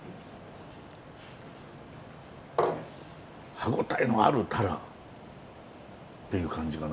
歯応えのあるタラっていう感じかな。